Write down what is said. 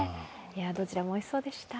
どちらもおいしそうでした。